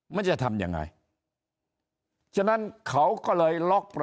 มันจะทำยังไง